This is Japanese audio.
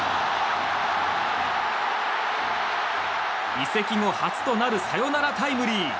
移籍後初となるサヨナラタイムリー！